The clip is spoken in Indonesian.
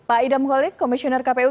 pak idam holik komisioner kpu